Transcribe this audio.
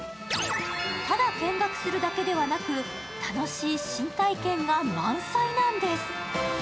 ただ見学するだけではなく楽しい新体験が満載なんです。